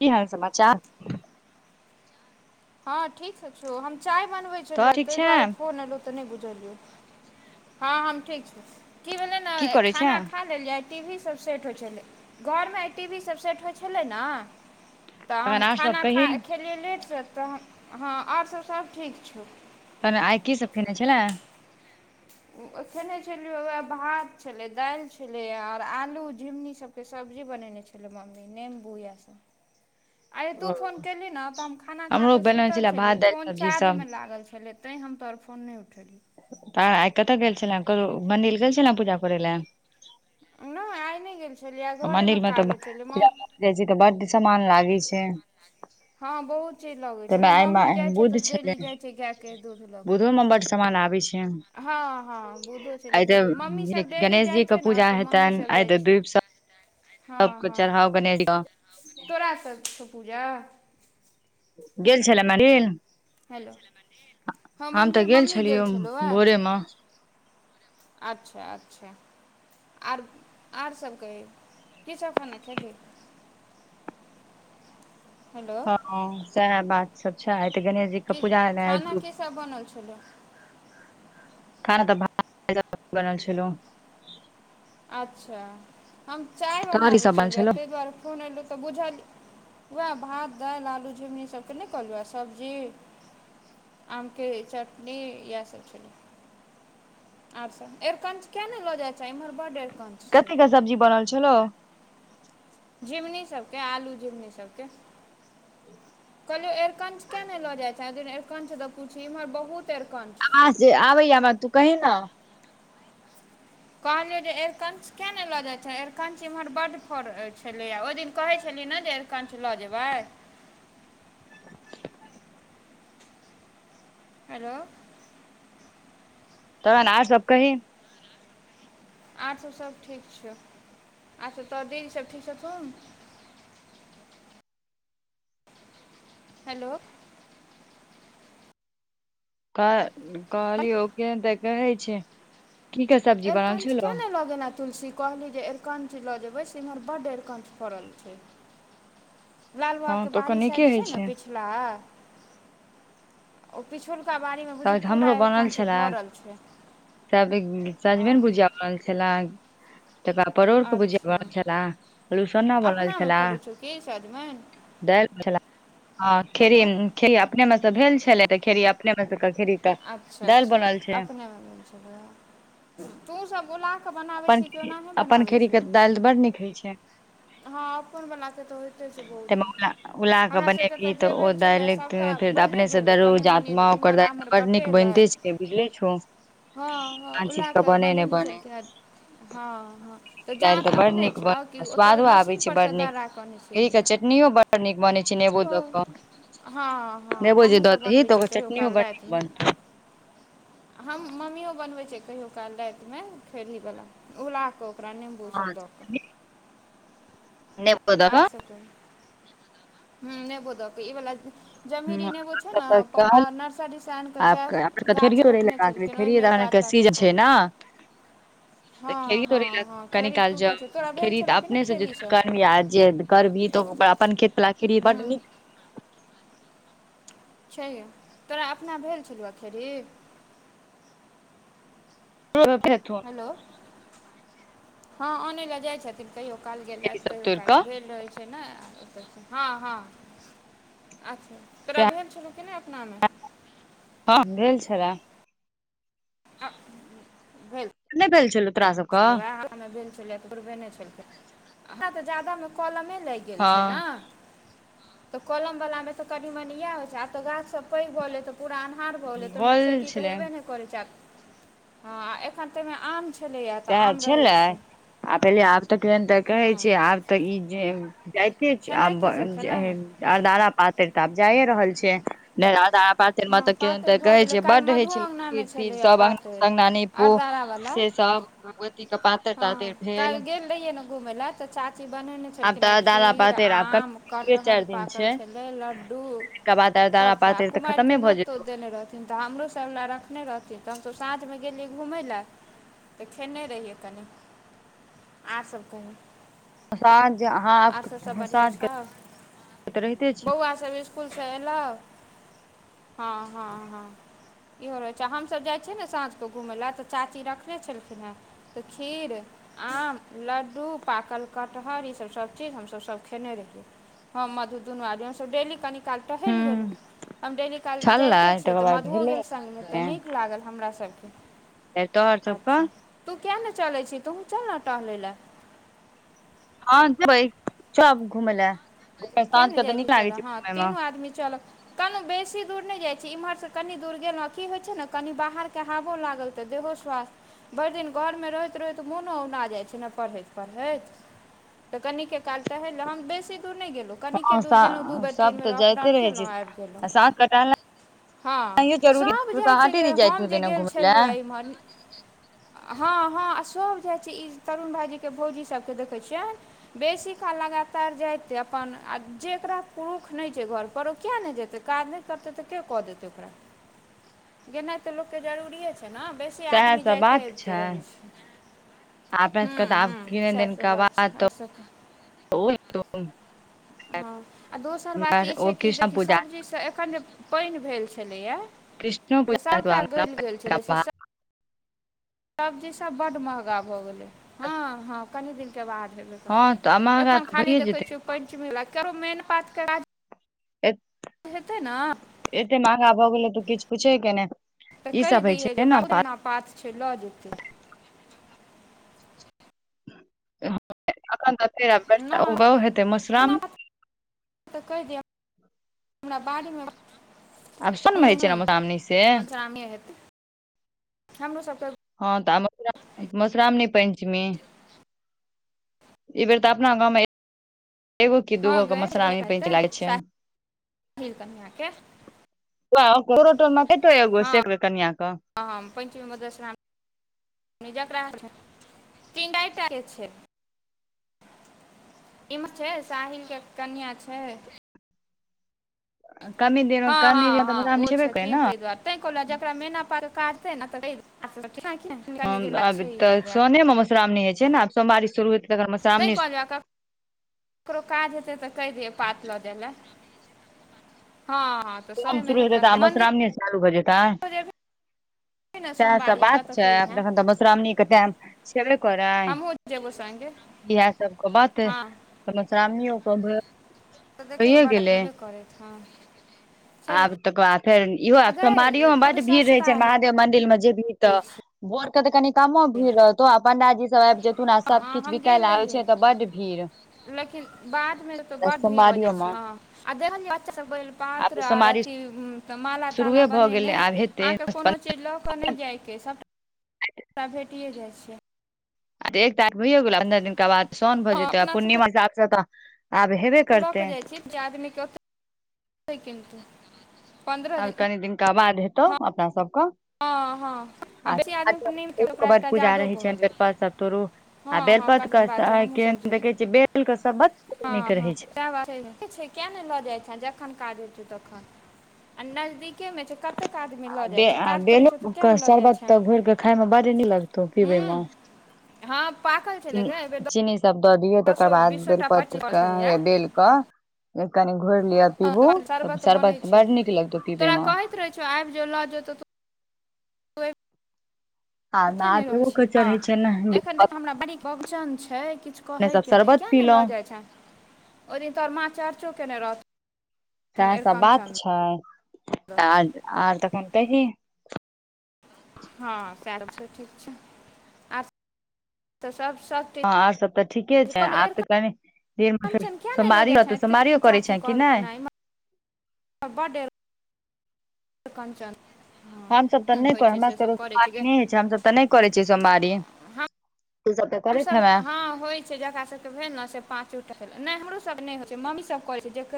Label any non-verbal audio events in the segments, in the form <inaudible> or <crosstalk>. की हाल समाचार हँ ठीकसँ छौ हम चाय बनबैत छलहु तऽ ह ठीक ताहि छै दुआरे फोन एलहुँ नै बुझ लिए हम ठ छी की भेल ने की करै छै खाना खा लेलियै टी वी सब सेट होइत छलै घरमे टी वी सब सेट होइत छलैक ने तऽ हम तखन आर सब खाना कही खा खेलियै लेटसँ तऽ हँ आओरसभ सभ ठीक छौ त आइ की सब खेने छले खेने छलियै भात छलैक दालि छलैक आओर आलू झिंगुनी सबकेँ सब्जी बनेने छलँ मममी नेम्बू इएह सब <inaudible> आय तू फोन केलही ने तऽ हम खाना हमरो खाकऽ बनल सुतल छले छलियै भात दालि फोन सब्जी सब चार्जमे लागल छलैक तैें हमोर फोन नहि उठेले तऽ आइ कतऽ गेल छले क मन्दिर गेल छल नेे पूजा करय लए नहि आइ नहि गेल छलियै आइ घरेमे मन्दिरमे काज तऽ होइ छलै जा मम्मी छी तऽ ब सामान लागी छै हँ बहुत चीज लगैत छैक ओ ने ताहिमे मम्मी आइ जाइत छैक बुध तऽ छलै डेली जाइत छैक गायकेँ दूध लऽ कऽ बुधो बड <unintelligible> हँ हँ बुधो छल आइ तऽ मम्मी सब डेली गणेश जी जाइत के छै ने पूजा तऽ मम्मी हेतनि सब आइ जाइत तऽ दीप छैक सब ह हजार <inaudible> हँ सबके हँ चढ़ाउ गणेश जी के तोरा सब छौ पूजा <inaudible> गेल छल मंदिर हेलो हँ हम तऽ मन्दिर मम्मी गेल छलियै छलहुँ हए भोरे मे अच्छा अच्छा आर आर सभ कही कीसभ खाना खैली हँ सएह बात सब छै तऽ गणेश जी के कि पूजा एनाइ खाना की सब बनल छलै खाना तऽ भात दाल बनल छलौ अच्छा हम चाय तरकारी बनाबै सब बनल छलहुँ ह छलौ ताहि दुआरे फोन एयलहुँ तऽ बुझल वएह भात दालि आलू झिङ्गुनी सबकेँ नहि कहल ह सब्जी आमकेँ चटनी य सब छलै अच्छा एरकनच किए ने ल जाइ छै इमहर बड कथी क सब्जी बनल छलौ झिमनी सभके आलू झिमनी सभके कहलियो एरकंच केिया ने लो जाय छ एरकंच द पूछ इम्हर बहुत अरिकंच आ छै आबैय मे तू कै ने कहलियौ जे अरकंच केिया ने ल जाइत छै एरकंच एम्हर बड् फड़ छलैए ओहि दिन कहैत छलै इ ने जे अरकंच ल जेबैई हेलो तऽन आ सब कही अच्छा सभ ठीक छौ अच्छा त दीदी सभ ठीक छथौन <inaudible> हेलो क कहलियौ केँ त कहैत छै ठीके सब्जी बनल अरिकञ्च किएक छलओ नहि लऽ गेलऽ तुलसी कहली जे अरकंच ल जेबैइ से इम्हर बड्ड अरकंच फड़ल छैक लाल बाबा हँ केँ तऽ ओकर बारी साइड नीके होइ छैइ ने छै पिछला ओ पिछयू बारमे बुझ पूरा अरकनच भरल छैइ सब सजमेन भुजिया बनल छेलै। तकर बाद परोड़ के भुजिया अच्छा बनल छेलै आलु सना बनल अपनामे छेलै फड़ै छौ कि सजमनि दाइल छल आ हेलो खेरही खेरही अपने मे सँ भेल छलैइ खेरही अपने मे खेरी के अच्छा दालि अच्छा बनल छै अपने ब चल अपन कि ओनाहि अपन बनाबै खेड़ही केँ छी दालि त बड़ नीक होइत छैइ हँ अपन वला केँ त होइते छै बहुत ताहिमे उला उला के हमरा सभके त बनेबही जे तऽ ओ भेल छलै दालि सभटा फेर बनिए अपने स गेल दर कनि जात मनि इम्हर आम्हर ओकर नीक बटेलै बनिते छै बुझले छौ हँ हँ आन चीज उला के कऽ बने नहि बनेने बने छलखिन ह हँ हँ त जाँत अपने छौ कि ओतय मादो आबैत छै मशीनपर बड़ सँ नीक दर्रा कऽ अनै छही क चटनियो बड़ नीक बनैत छै नेबो ओ द क हँ हँ हमहूँ सभ बनबैत छीयै कहियो काल राति बन्द हम मम्मियो बनबै छै कहियो काल रातिमे खैरही वला उला कऽ प्रण भू शबदक ब द <unintelligible> हू नेबो द अक इवला जमीरी नेबो छै ने कऽ पापा नर्सरी से आन केंँ आब ग गाछ रोपने छलखिन ओहिमे एक कसी आधटाके जा छै फड़ै ने <inaudible> तऽ हँ खेरही थोड़े हँ ले हँ कनी खेड़ी काल टूटै छै जाउ तोरा भेल खेरही छलौ तऽ कि नहि अपने सँ जे तोरि खेड़ीसँ कऽ आनबिही आ जे कर बिही तऽ अपन खेत बला खेरहु हूँ बड्ड नीक आंय गै तोरा अपना भेल छलौए खेरही तोरो खेतमे <inaudible> हँ आनय लेल जाइ छथिन कहियो काल गेलथि सब कहियो तोड़ काल कऽ भेल रहै छै ने हँ हँ अच्छा तोरा सएह भेल छलौ कि नहि अपनामे हँ भेल छलए आ <inaudible> क नहि भेल छलौ तोरा सबके छलौये हमरा मे भेल छलैये तोरबेने छलखिन हमरा तऽ जादा मे कलमे लागि गेल छै हँ ने तऽ कलम बला मे तऽ कनी मनी इएह होइ छै आब तऽ गाछ सब पैघ भ गलै तऽ पूरा अन्हार भऽ गेलै तऽ ओहिमे गेल खेती तऽ छलै हेबे नहि करै छै आ हँ अखन तैमे आम छै छलैए तऽ सेहे आम रहै छलै आ पहिले आब तऽ किदन तऽ कहै हँ छै आब तऽ ई जे जाइत ठीक छै खेनाइ कीसभ खेलहुँ हेँ आ अरदारा पातरि तऽ आब जाए रहल छै हँ किदन पातरि तऽ भऽ कहै गेलै छै काल्हि बड्ड होइ मधुओ छै खीर अङ्गनामे तीर छलैए सभ आंगना पातरि तगना नीपु अरदारावला से <unintelligible> सहमत <unintelligible> हँ काल्हि गेल रहियै ने घूमय लेए तऽ चाची बनने आब छलखिन तऽ हे अरदारा खीर पातरि आब आम कमे कटहर चारि दिन पाकल छै छलै लड्डू तकर बाद अरदारा सबटा पातरि तऽ कुमारि के खतमे भऽ नोत तोत जेतौ देने रहथिन तऽ हमरो सब लऽ रखने रहथिन तऽ हमसब साँझमे गेलियै घूम लए तऽ खेने रहियै कनि आर सब कहू असान आर सब सब बढ़ियां छौ तऽ रहिते छै बौआ सब स्कुल सँ अयलहु हाँ हाँ हाँ इहो रहैत छै हमसभ जाइत छियै ने साँझके घूमय ले तऽ चाची रखने छलखिन हें तऽ खीर आम लड्डू पाकल कटहर ई सब सभ चीज हमसभ सभ खेने रहियै हम मधु दुनू आदमी हमसभ डेली कनि काल हूँ टहलि गेलहुँ हम डेली काल छलै जाइते छियै तकर तऽ बाद मधुओ गेल संगमे तऽ भेलै नीक लागल हमरा सभके ए तोहर सबक तू किया नै चलै छी तु चल न टहलेय ल हाँ जेबै सब घुतैय ल किया नहि जाइ छै चल हँ तीनू आदमी चलब कनी बेसी दूर नहि जाइत छी इम्हरसे कनी दूर गेलहुँ की होइत छै ने कनि बाहरके हवो लागल तऽ देहो स्वास्थ्य भरि दिन घरमे रहैत रहैत मोनो औना जाइत छै न पढ़ैत-पढ़ैत तऽ कनिके काल टहलि ले हम बेसी दूर नहि गेलहुँ कनिके हँ दूर गेलहुँ दू बेर सब तीन बेर तऽ अप डाउन जाइते रहै केलहुँ छै आबि गेलहुँ आ साँझ के हँ टहलनाइयो जरूरी सब तू जाइ तऽ छै हाटे गै दिस जाइत हम जे हेबे ने गेल घुमै लए छलियै इम्हर हाँ हाँ आसब इ तरून भाइजी केँ भौजी सभकेँ देखैत छियैन बेसी काल लगातार जाइते आ अपन आ जेकरा पुरुष नहि छै घर पर ओ किया नहि जेतै काज नहि करतै तऽ के कऽ देतै ओकरा गेनाइ तऽ लोकके जरूरिए छै ने बेसी सएह आदमी जाइते अबिते रहै छै अपनाके ह्म्म तऽ आ ह्म्म की नदन सएहसभ कह ब बात छै आओर सभ <unintelligible> हाँ आ दोसर बात ई छै कि कृष्ण देखि पूजा सब्जी से एखन जे पाइन भेल छेलैया कृष्णो से पूजा सबटा गलि गेल छलै से सब सब्जी सभ बड्ड महँगा भऽ गेलै हाँ हाँ कनि दिन के बादै हँ तऽ महगा एखन तऽ खाली भइए देखै जेतै छियै पंचमेला केकरो मेन पाथके काज <unintelligible> एत हेतै ने एते महंगा भऽ गेले कि किछ पूछे के नै तऽ कहि दियहि जे बड़ गेना पात छै लऽ जेतै <inaudible> तेरा व्यस्त आब तऽ ओ हेतै नहि मशराम एना पात तऽ कहि दिहे <unintelligible> हमरा बाड़ी म आब सनमे होइ छै मधुश्रावणी से मधुश्रावणीये हेतै हमरो सब क हँ तऽ म मश्रामणी पञ्चमी ई बेर तऽ अपना गाँवमे एगो कि हँ दूगो के मश्रामणी पेंच लागै छै खीर कनिया के कोरटोमे कतो एगो सेक कनिया क पश्रावनी <unintelligible> इमे छै साहिल के कनिया छै कमी दिन हाँ कनि दिन हाँ तऽ हाँ मधुश्रावणी ओ छेबे करै ने छथिन तइ दुआरे तै कहलहु जेकरा मेना पर काज <unintelligible> मांश्रावनी जे छै न आब सोवारी शुरू हेतै तखन तैँ मधुश्रावणी कहऽ लियबै ककरो काज हेतै तऽ कहि दिहियै पात लऽ जाय ल सोम शुरू हेबे तऽ आ करतै मन्दिर मश्रावणी यौ चालू भ जेतै जेबही ने सेहे सब सोमवारीके बात तऽ छै अपन कहिहेँ तहन त मशुरामी क टाइम सेबे करै हमहूँ जेबौ सङ्गे इएह सबके कहतै हँ त मशुरामणियो क <unintelligible> आब तकर बाद फेर इहो आ आब गै सोमवारियो म बड़ बड भीड़ रहे सस्ता छै महादेव मंदिर म भी होइ तऽ छै बोर के तऽ कनि कामो भीड़ रहतौ आ पंडा जी सब आइब जेथुन आ सब हँ किछ हम बिकाय गेल ल आबे छै रहियै तऽ बड्ड भीड़ लेकिन बाद मे बड़ भीड़ हो जाइ सोमवारियो मे छै ह देखल बच्चा सब बा आब पत्र तऽ आओर सोमवारी अथी तऽ माला शुरुए ताला भऽ गेलै बनेनाइ आब हेतै अहाँके कोनो चीज लऽ कऽ नहि जाइके सभटा ओकरा भेटिए जाइ छियै एक तार भ गेलो पन्द्रह दिननक बाद सोन भऽ हँ जेतै अपना सब पूर्णिमा हिसाब स तऽ आब हेबे लऽ कऽ करतै जाइत छी जे आदमीके ओतेय किनतै पन्द्रह आब दिन कनि दिनका बाद हेतौ हँ अपना सब हँ हँ आ क बेसी आदमी पर नहि रइब क ओकरा बड एकटा पूजा जादो रहै भऽ छै गेल बेलपत्र सब तोरु आ हँ हँ बेलपत्र कनि दिन के बाद छै आइ हमहूँ सब जेबै देखे छियै बेलके सबत बड हँ नीक हँ रहै छै सएह बात छै ठीक छै किया नहि लऽ जाइत छ जखन काज होइत छै तखन आ नजदीके मे छै कतेक आदमी लऽ जाइ छै पड़ै छै तऽ किया नहि लऽ जाइ शर्बत छै तऽ घोर के खाय मे बड़े न लगतौ पिबे हूँ मे हँ पाकल छै लग चीनी बेर चीनी सब दऽ दियऔ तकर बाद बेलपत्र क छलैए बेल क कनि घोर लिया पिबू त शरबत बनै सारबात बड़ छलै नीक लगतौ पीबे तोरा म कहैत तोइड़ आ नारदो क चढ़ै छै न एखन देख हमरा बड़ी बोहचन छै किछ अपने सब कहयके नहि शरबत कियाक ने लऽ पीलौं जाइत छ ओ दिन तोहर माँ चार चौ केने रह सएह सब बात छै तहन आओर तखन तही हँ <unintelligible> ठीक छै आ ह आओर सब तऽ ठीके छै आब तऽ कनि देर पर अरिकञ्चन किया नहि लऽ जाइ सोमारियो छै तऽ सोमारियो करै छ कि नइ बड डेर कंचन हमसभ तऽ नइ कर हमरा सबके गे सोमवारी नै होइ छै हमसभ तऽ नय करै छियै सोमवारी तू सब तऽ करैत हमसभ हेबे हँ होइत छै जकरा सभके भेल ने से पाँचोठ नहि हमरोसभ नहि होइत छै मम्मीसभ कहैत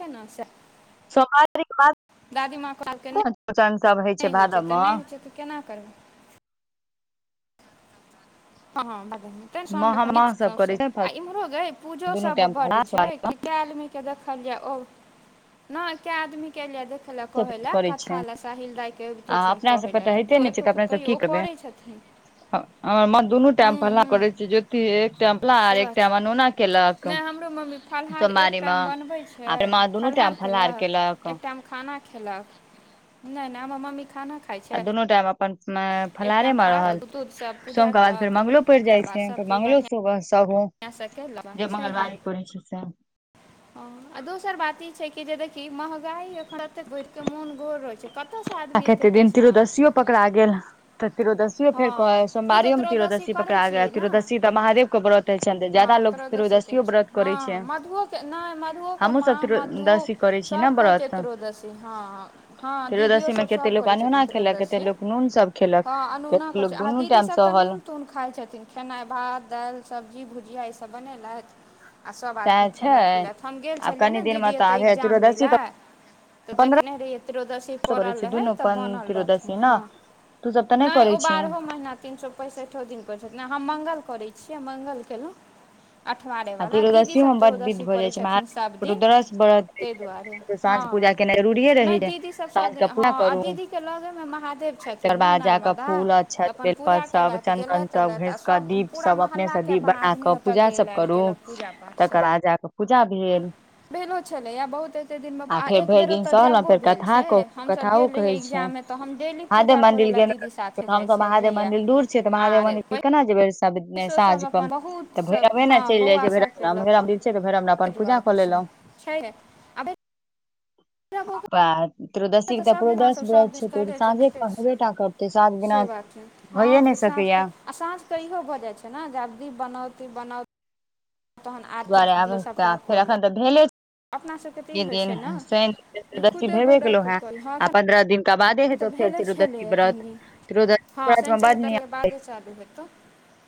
छै <unintelligible> <unintelligible> दादीमाँ कह कहलके नहि ने चौरचन सब नहि होइ छै भादव तऽ मे नहि होइ छै तऽ केना करबै हँ त साउन माह माह करै सब छै आ इम्हरो गे पूजो दुनू सब टाइम बड फलहार छै सोमवारी कए आदमीके देख देखल न के आदमी केलिय लए मे कहै सब लए करै कथा छै लए साहिल दाइके अबितो आ छनि अपना कहै सबके लए तऽ होइते केओ एतौ तऽ कहियो ओ करै छथिन आ मधु दोनो टाइम हूँ प्रणाम हूँ करछे जेकि एक से बात टाइम छै अनुना केलक नहि हमरो मम्मी फलहार एक सोमवारी मे टाइम बनबे छै आ फेर माँ दुनू फलाहार टाइम फलहार केलक एक टाइम खाना खेलक नहि नहि हमर मम्मी खाना खाइ छै आ दुनू टाइम अपन एक फलहारे टाइम मे फलहार रहल दूध सब सोम पूजा के बाद फेर केलक मंगलो पड़ जाय छै फेर मंगलो सुबह सहु सब ला जे छैे मंगलवारी पड़ै छै से ह दोसर बात ई छै कि कि जे देखि महगाइ अखन एते बैढ़िके मोन गोर रहै छै कतऽसँ आ आदमी के त एतेक दिन पैसा आनतै त्रयोदशी पकड़ा गेल तऽ त्ररोदशियो फेर कर हँ तू तऽ सोमवारियोमे त्रयोदशी तरोदशी करै पकड़ा छीही गेल ने तिरोदशी तऽ महादेव के व्रत होइ छनि तऽ ज्यादा हँ लोग त्रोदशी के तिरोदसियो छै व्रत करै छै हँ मधुओ के नहि मधुओ के हमहुँ सब माँ मधु तिरोदसी करै छी ने सब के होइ छै व्रत त्रोदशी हँ हँ दीदियो ओ तिरोदसी मे सब कते सब लोक करै छथिन अनोना खेलक कते त्रोदशी लोक नून सब खेलक हाँ अनुना कते करै लोक छै आ दुनू दीदी टाइम सब तऽ सहल नून तून खाइ खै छथिन खेनाइ भात दाल सब्जी भुजिया ई सब बनेलथि आ सभ सएह आदमी छै खेलैत पिलैत हम गेल आब छलियै ने कनि दिन मे दीदी तऽ एतय आबे एग्जाम दै तिरोदसी लए तऽ देखने रहियै त्रियोदशी करै पड़ल छी रहय दुनू तऽ बनल रहथिन तिरोदसी ने हँ तू सब तऽ नहि ओ करै छिही बारहो महिना तीन सौ पैंसठो दिन करै छथिन नहि हम मंगल करै छीयै मङंगल केलु आ अठवारेवला दीदी त्रोदशियो सब मे बड विध त्रयोदशी भऽ जाइ करै छै छथिन सभ महादेव दिन रुद्रस व्रत होइ ताहि दुआरे छै, हँ साँझ पूजा केनाइ जरूरिये रहै नहि छै दीदी सब सब साँझ के दिन पूजा हँ आ करू दीदी के लगे मे महादेव तकर छथिन ने बाद जाकऽ नर्मदा फूल तऽ अक्षत अपन बेलपत पूजा सब केलथि चन्दन गेलथि सब एलथि आ घसिकऽ सभ दीप पूरा सब अपनेसँ मोहल्लाके दीप अपन बना आदमी कऽ ओतय पूजा गेल सब आयल करू केलक पूजा पाठसभ तकर आ जाक पूजा भेल भेलो छलैया बहुत एते दिन मे आ फेर एक भरि बेर दिन ओत सहलहुँ जज्ञो फेर भेल कथा छै कहू, हमस कथाओ गेल कहै रहियै छै इग्जाम महादेव मंदिर गेल जाइ हमसब महादेव छलिए मंदिर दूर छ तऽ महादेव आर मंदिर केना जेबै सब इतने पैसो साँझ सब कम अपन बहुत तऽ सब भैरवे ने हँ चैइल जाइ बौआ सबके लऽ कऽ छैभैरामना छै त भैरामना अपन ताहि पूजा दुआरे कऽ पर छै लेलहु छै आ आब त्रयोदसी तऽ सब ककरो दिन दस अहाँसब सब व्रत दिन छै तऽ ओऽ करिते साँझे देखै हेबे छी टा करते साँझ बिना होइये ने साँझ क आ साँझ क इहो भ जाय छै ने जे आब दीप बनाउ दीप बनाउ तहन तै आरती द्वारे आब दियौ एकटा सबटा फेर करू अखन तऽ भेले छै अपना सबके तऽ ई के होइ छै दिन ने शैनके जे त्रयोदशी खुदे भेबे गेलो बनाकऽ है करी हँ आ एखन पन्द्रह दिन तऽ भेले छलै एन भ त्रयोदशी व्रत हँ मे बड नियम चू बादे चालू हेतौ